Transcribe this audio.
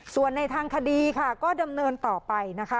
ส่วนในทางคดีค่ะก็ดำเนินต่อไปนะคะ